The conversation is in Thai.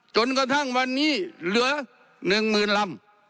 จนกระทั่งวันนี้เหลือ๑๐๐๐ลำ